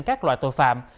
các loại tội phạm